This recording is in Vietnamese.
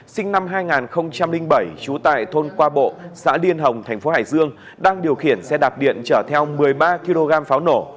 sinh năm hai nghìn bảy trú tại thôn qua bộ xã liên hồng thành phố hải dương đang điều khiển xe đạp điện chở theo một mươi ba kg pháo nổ